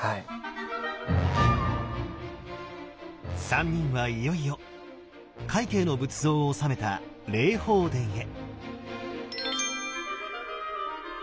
三人はいよいよ快慶の仏像をおさめた霊宝殿へ。